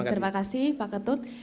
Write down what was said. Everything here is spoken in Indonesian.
terima kasih pak ketut